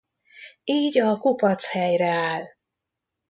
Így a kupac helyreáll.